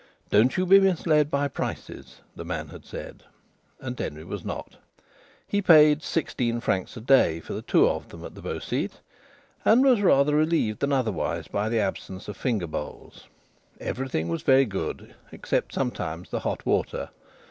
"Don't you be misled by prices," the man had said. And Denry was not. He paid sixteen francs a day for the two of them at the Beau Site, and was rather relieved than otherwise by the absence of finger bowls. Everything was very good, except sometimes the hot water.